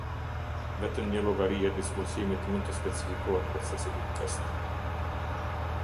Vetëm një llogari e disbursimit mund të specifikohet për secilin këst.